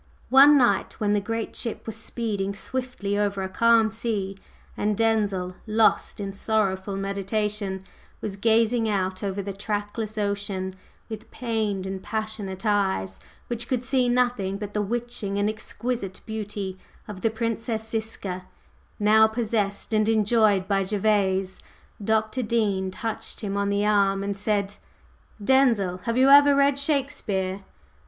One night when the great ship was speeding swiftly over a calm sea, and Denzil, lost in sorrowful meditation, was gazing out over the trackless ocean with pained and passionate eyes which could see nothing but the witching and exquisite beauty of the Princess Ziska, now possessed and enjoyed by Gervase, Dr. Dean touched him on the arm and said: "Denzil, have you ever read Shakespeare?"